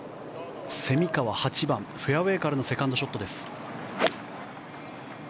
蝉川、８番、フェアウェーからのセカンドショットです。